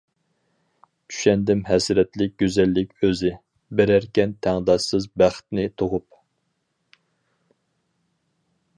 چۈشەندىم ھەسرەتلىك گۈزەللىك ئۆزى، بېرەركەن تەڭداشسىز بەختنى تۇغۇپ.